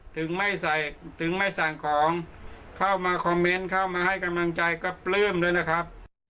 ถึงไม่ใส่ถึงไม่สั่งของเข้ามาคอมเมนต์เข้ามาให้กำลังใจก็ปลื้มด้วยนะครับ